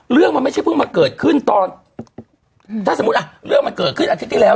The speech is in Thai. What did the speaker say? เรื่องมันไม่ใช่เพิ่งมาเกิดขึ้นตอนถ้าสมมุติอ่ะเรื่องมันเกิดขึ้นอาทิตย์ที่แล้ว